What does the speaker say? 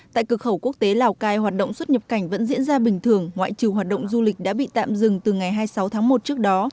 tại cửa khẩu quốc tế lào cai hoạt động xuất nhập cảnh vẫn diễn ra bình thường ngoại trừ hoạt động du lịch đã bị tạm dừng từ ngày hai mươi sáu tháng một trước đó